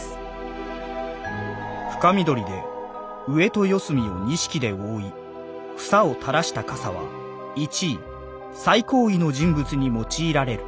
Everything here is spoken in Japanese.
「深緑で上と四隅を錦で覆い房を垂らした蓋は一位最高位の人物に用いられる」。